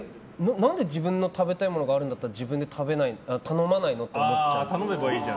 何で自分の食べたいものがあるんだったら自分で頼まないのって思っちゃう。